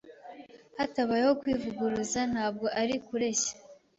Hatabayeho kwivuguruza ntabwo ari Kureshya